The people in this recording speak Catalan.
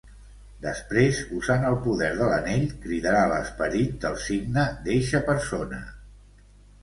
Després usant el poder de l'anell cridarà l'esperit del signe d'eixa persona.